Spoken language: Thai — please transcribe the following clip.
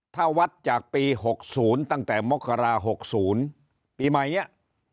ถ้าวัดจากปี๖๐ตั้งแต่มกรา๖๐ปีใหม่เนี่ย